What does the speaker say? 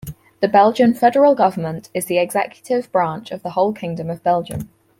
The Belgian Federal Government is the executive branch of the whole Kingdom of Belgium.